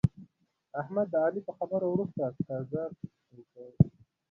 احمد د علي په خبرو ورسته ګذک وکړ.